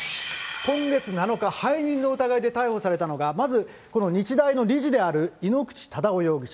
今月７日、背任の疑いで逮捕されたのがまずこの日大の理事である井ノ口忠男容疑者。